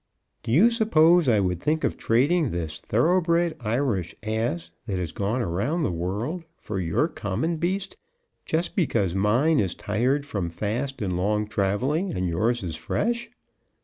"Do you suppose I would think of trading this thoroughbred Irish ass that has gone around the world for your common beast, just because mine is tired from fast and long traveling, and yours is fresh?"